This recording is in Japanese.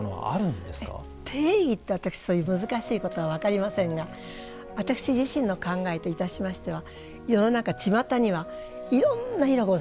定義って私そういう難しいことは分かりませんが私自身の考えといたしましては世の中ちまたにはいろんな色ございますね。